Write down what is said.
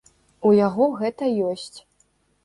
У яго гэта ёсць.